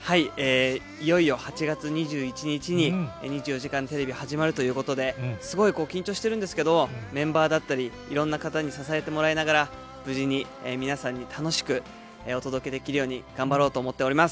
いよいよ８月２１日に、２４時間テレビ始まるということで、すごい緊張してるんですけど、メンバーだったり、いろんな方に支えてもらいながら、無事に皆さんに楽しくお届けできるように頑張ろうと思っております。